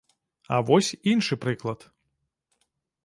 А вось іншы прыклад.